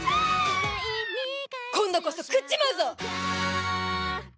今度こそ食っちまうぞ！